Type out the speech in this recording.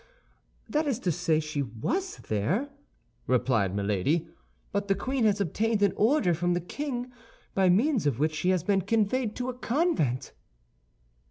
"That is to say, she was there," replied Milady; "but the queen has obtained an order from the king by means of which she has been conveyed to a convent."